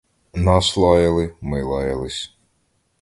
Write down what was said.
Нас лаяли, ми лаялись.